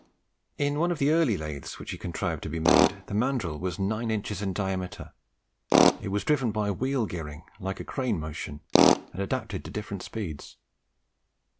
In one of the early lathes which he contrived and made, the mandrill was nine inches in diameter; it was driven by wheel gearing like a crane motion, and adapted to different speeds.